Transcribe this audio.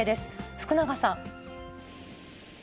福永さん。